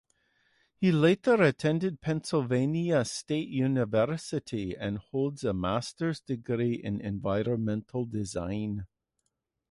He later attended Pennsylvania State University and holds a Master's Degree in Environmental Design.